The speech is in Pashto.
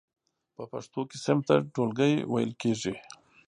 په پښتو کې صنف ته ټولګی ویل کیږی.